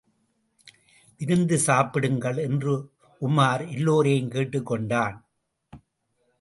விருந்து சாப்பிடுங்கள்! என்று உமார் எல்லோரையும் கேட்டுக் கொண்டான்.